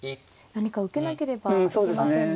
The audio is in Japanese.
何か受けなければいけませんね。